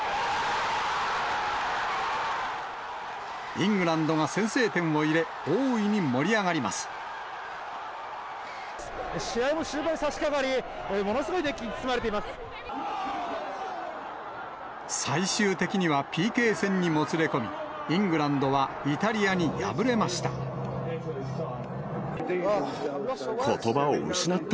イングランドが先制点を入れ、試合も終盤にさしかかり、最終的にはＰＫ戦にもつれ込み、イングランドはイタリアに敗れました。